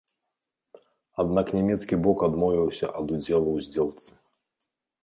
Аднак нямецкі бок адмовіўся ад удзелу ў здзелцы.